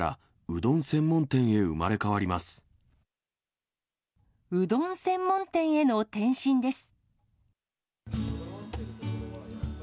うどん専門店への転身です。